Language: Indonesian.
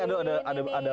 ada mas ade rai